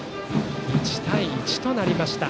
１対１となりました。